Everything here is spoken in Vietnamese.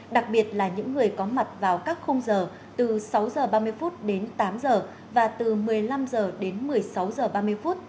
đặc biệt là những người có mặt vào các khung giờ từ sáu h ba mươi phút đến tám giờ và từ một mươi năm h đến một mươi sáu h ba mươi phút